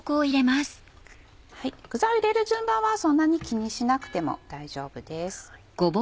具材を入れる順番はそんなに気にしなくても大丈夫です。